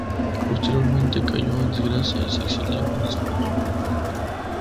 Posteriormente cayó en desgracia y se exilió en España.